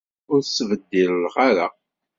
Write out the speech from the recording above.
Ur ttebeddileɣ ara.